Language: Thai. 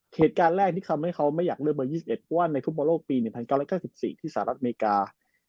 เหตุการณ์แรกที่ทำให้เขาไม่อยากเลือกเบอร์๒๑เพราะว่าในฟุตบอลโลกปี๑๙๙๔ที่สหรัฐอเมริกา